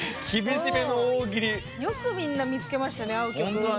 よくみんな、見つけましたね合う曲を。